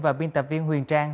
và biên tập viên huyền trang